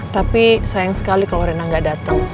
tapi sayang sekali kalau reina gak dateng